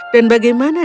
dan bagaimana dia